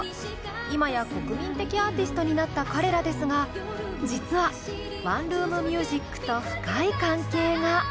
今や国民的アーティストになった彼らですが実は「ワンルーム☆ミュージック」と深い関係が。